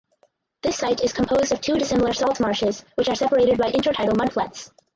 This site is composed of two dissimilar saltmarshes which are separated by intertidal mudflats.